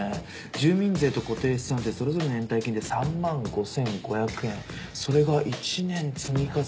住民税と固定資産税それぞれの延滞金で３万５５００円それが１年積み重なって。